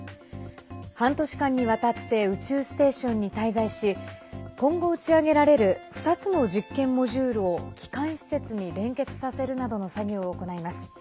半年間に渡って宇宙ステーションに滞在し今後打ち上げられる２つの実験モジュールを帰還施設に連結させるなどの作業を行います。